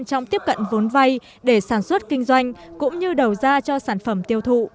trong tiếp cận vốn vay để sản xuất kinh doanh cũng như đầu ra cho sản phẩm tiêu thụ